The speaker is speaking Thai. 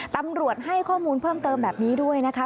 ตำรวจให้ข้อมูลเพิ่มเติมแบบนี้ด้วยนะคะ